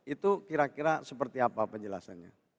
itu kira kira seperti apa penjelasannya